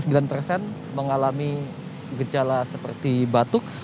sebanyak empat puluh sembilan persen mengalami gejala seperti batuk